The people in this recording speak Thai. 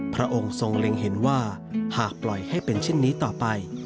พระองค์ทรงเล็งเห็นว่าหากปล่อยให้เป็นเช่นนี้ต่อไป